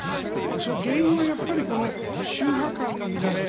その原因は宗派間の乱れ。